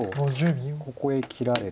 ここへ切られて。